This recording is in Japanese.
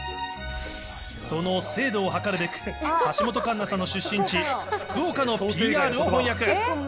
その精度を計るべく、橋本環奈さんの出身地、福岡のＰＲを翻訳。